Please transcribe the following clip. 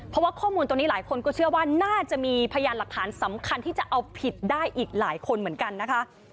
เพราะว่าข้อมูลตัวนี้หลายคนก็เชื่อว่าน่าจะมีพยานหลักฐานสำคัญที่จะเอาผิดได้อีกหลายคนเหมือนกันนะคะ